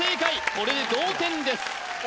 これで同点ですえ